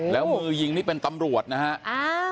แล้วมือยิงนี่เป็นตำรวจนะฮะ